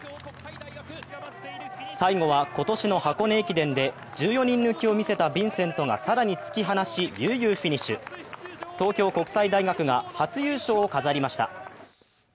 最後は、今年の箱根駅伝で１４人抜きを見せたヴィンセントが更に突き放し、悠々フィニッシュ東京国際大学が初優勝を飾りました。